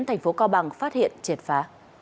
thành phố cao bằng phát hiện triệt phá